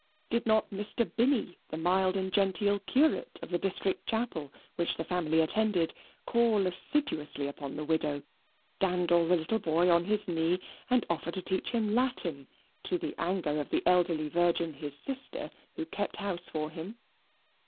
Did not Mr. Binny, the mild and genteel curate of the district chapel, which the family attended, call assiduously upon the widow, dandle the little boy on his knee, and offer to teach him Latin, to the anger of the elderly virgin, his sister, who kept house for him?